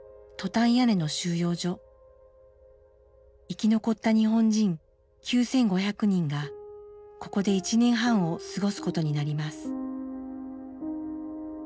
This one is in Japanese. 生き残った日本人９，５００人がここで１年半を過ごすことになります。